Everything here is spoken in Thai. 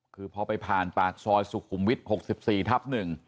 คือพอไปผ่านปากซอยสุขุมวิทย์๖๔ทับ๑